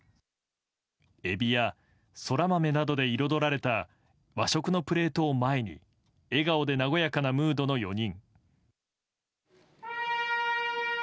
エビやソラマメなどで彩られた和食のプレートを前に笑顔で和やかなムードの４人。